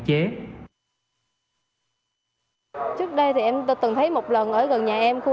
cơ bản dịch